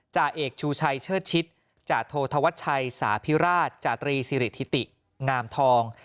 จ่าเอกชูชัยเชิดชิดจาโทธวัชชัยสาพิราชจาตรีสิริธิติงามทอง